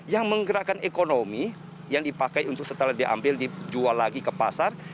yang menggerakkan ekonomi yang dipakai untuk setelah diambil dijual lagi ke pasar